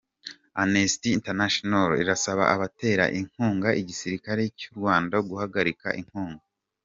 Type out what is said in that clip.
Amnesty International irasaba abatera inkunga igisirikare cy’u Rwanda guhagarika inkunga.